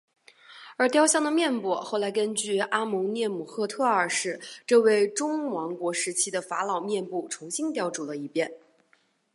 而雕像的面部后来根据阿蒙涅姆赫特二世这位中王国时期法老的面部重新雕琢了一遍。